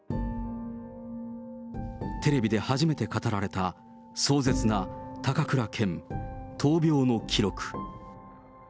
テレビで初めて語られた、壮絶な高倉健、闘病の記録。